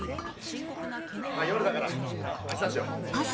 まあ夜だから明日にしよう。